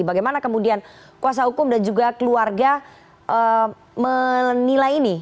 bagaimana kemudian kuasa hukum dan juga keluarga menilai ini